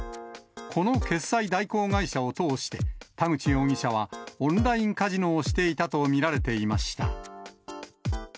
この決済代行会社を通して、田口容疑者はオンラインカジノをしていたと見られていました。